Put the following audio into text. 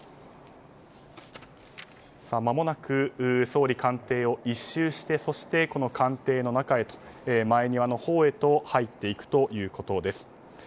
まもなく総理官邸を１周してそしてこの官邸の中へと前庭のほうへと入っていくということです。